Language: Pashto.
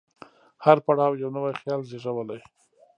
هر پړاو یو نوی خیال زېږولی.